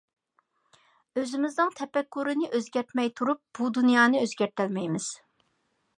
ئۆزىمىزنىڭ تەپەككۇرىنى ئۆزگەرتمەي تۇرۇپ بۇ دۇنيانى ئۆزگەرتەلمەيمىز.